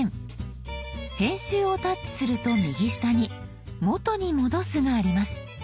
編集をタッチすると右下に「元に戻す」があります。